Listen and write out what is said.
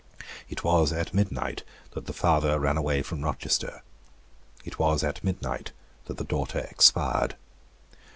It was at midnight that the father ran away from Rochester; it was at midnight that the daughter expired.